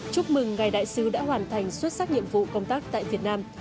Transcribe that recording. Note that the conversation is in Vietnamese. chúc mừng ngài đại sứ đã hoàn thành xuất sắc nhiệm vụ công tác tại việt nam